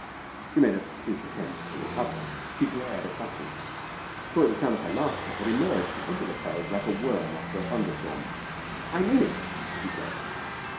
She made a weak attempt to recover it. She glared at Nutty, who at the sound of her laughter had emerged from under the clothes like a worm after a thunderstorm. 'I mean it,' she said.